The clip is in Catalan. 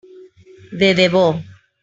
De debò.